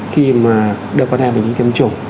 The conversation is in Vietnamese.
khi mà đưa con em mình đi tiêm chủ